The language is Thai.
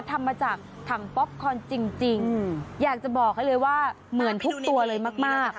ทำมาจากถังป๊อปคอนจริงอยากจะบอกให้เลยว่าเหมือนทุกตัวเลยมาก